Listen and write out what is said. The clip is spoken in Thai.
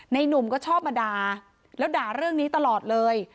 หนุ่มก็ชอบมาด่าแล้วด่าเรื่องนี้ตลอดเลย